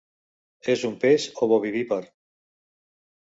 És un peix ovovivípar.